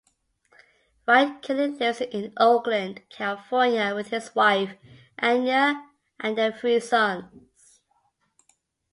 Wright currently lives in Oakland, California with his wife, Anya, and their three sons.